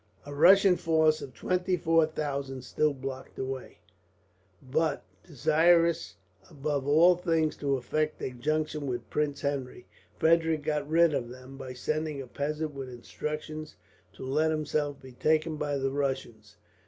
A Russian force of twenty four thousand still blocked the way; but, desirous above all things to effect a junction with Prince Henry, Frederick got rid of them, by sending a peasant with instructions to let himself be taken by the Russians.